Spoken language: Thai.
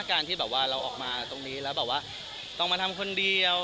การที่เราออกมาตรงนี้แล้วต้องมาทำคนเดียว